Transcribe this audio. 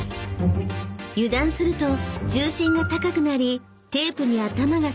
［油断すると重心が高くなりテープに頭が接触］